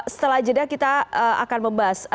setelah jeda kita akan membahas